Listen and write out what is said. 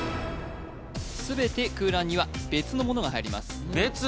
全て空欄には別のものが入ります別？